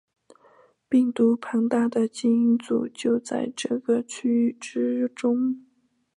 病毒庞大的基因组就在这个区域之中。